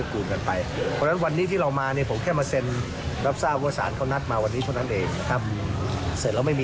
ถ้าเขามายกป้องแล้วก็ว่างต่อครับ